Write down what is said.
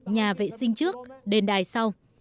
nhà vệ sinh trước đền đài sau